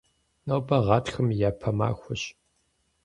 Нобэ гъатхэм и япэ махуэщ.